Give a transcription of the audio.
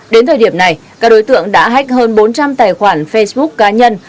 đến thời điểm này các đối tượng đã hách hơn bốn trăm linh tài khoản facebook cá nhân